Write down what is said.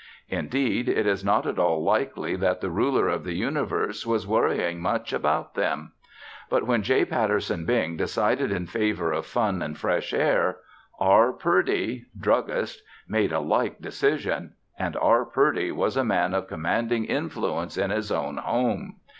Indeed, it is not at all likely that the ruler of the universe was worrying much about them. But when J. Patterson Bing decided in favor of fun and fresh air, R. Purdy druggist made a like decision, and R. Purdy was a man of commanding influence in his own home.